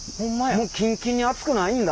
もうキンキンに熱くないんだ。